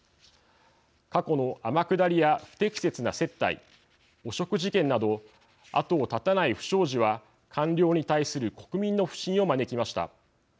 過去の天下りや不適切な接待汚職事件など後を絶たない不祥事は官僚に対する国民の不信を招きました。